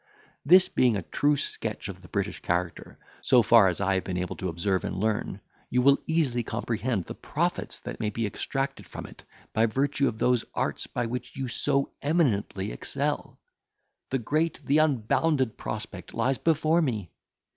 This being a true sketch of the British character, so far as I have been able to observe and learn, you will easily comprehend the profits that may be extracted from it, by virtue of those arts by which you so eminently excel;—the great, the unbounded prospect lies before me!